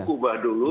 namun kubah dulu